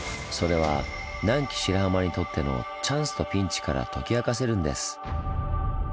それは南紀白浜にとってのチャンスとピンチから解き明かせるんです。